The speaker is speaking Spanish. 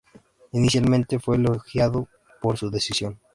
Inicialmente, fue elogiado por su decisión.